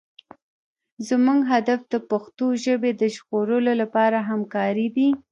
زموږ هدف د پښتو ژبې د ژغورلو لپاره همکارۍ دي.